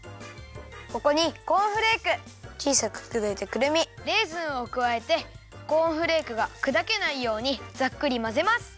ここにコーンフレークちいさくくだいたくるみレーズンをくわえてコーンフレークがくだけないようにざっくりまぜます。